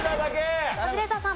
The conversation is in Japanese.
カズレーザーさん。